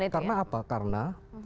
karena apa karena